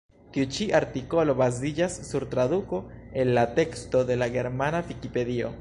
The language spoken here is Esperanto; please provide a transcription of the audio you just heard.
Tiu ĉi artikolo baziĝas sur traduko el la teksto de la germana vikipedio.